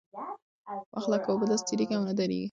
وخت لکه اوبه داسې تېرېږي او نه درېږي.